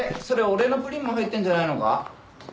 それ俺のプリンも入ってるんじゃないのか？